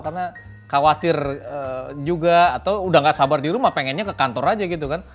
karena khawatir juga atau udah gak sabar di rumah pengennya ke kantor aja gitu